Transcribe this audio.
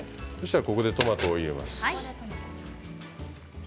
ここでトマトを入れます。